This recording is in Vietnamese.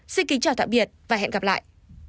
xin kính chào tạm biệt và hẹn gặp lại